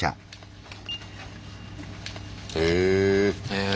へえ。